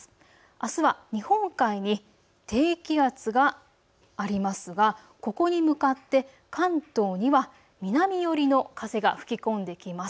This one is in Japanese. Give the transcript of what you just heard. あすは日本海に低気圧がありますが、ここに向かって関東には南寄りの風が吹き込んできます。